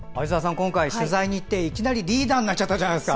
今回、取材に行っていきなりリーダーになっちゃったじゃないですか。